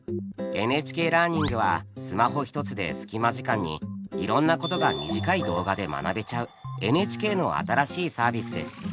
「ＮＨＫラーニング」はスマホ１つで隙間時間にいろんなことが短い動画で学べちゃうＮＨＫの新しいサービスです。